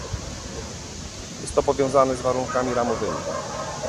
Jest to powiązane z warunkami ramowymi